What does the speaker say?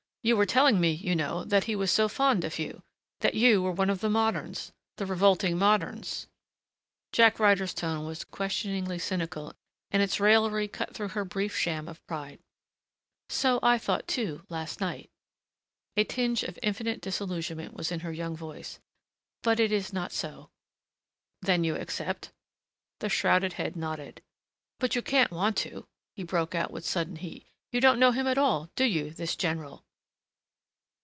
You were telling me, you know, that he was so fond of you. And that you were one of the moderns the revolting moderns " Jack Ryder's tone was questioningly cynical and its raillery cut through her brief sham of pride. "So I thought, too, last night." A tinge of infinite disillusionment was in her young voice. "But it is not so." "Then you accept ?" The shrouded head nodded. "But you can't want to," he broke out with sudden heat. "You don't know him at all, do you this general?"